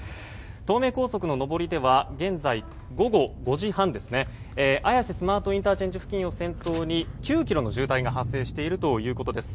東名高速の上りでは現在、午後５時半ですが綾瀬スマートＩＣ付近を先頭に９ｋｍの渋滞が発生しているということです。